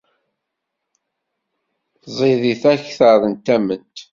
Ẓidit akter n tament.